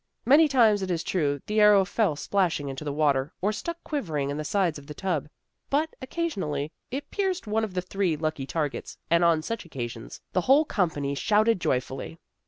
Many times, it is true, the arrow fell splashing into the water, or stuck quivering in the sides of the tub, but, occasionally, it pierced one of the three lucky targets, and on such occasions the whole company shouted joyfully.